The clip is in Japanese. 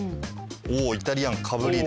おイタリアンかぶり。